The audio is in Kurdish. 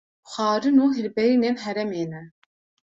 Xwarin û hilberînên herêmê ne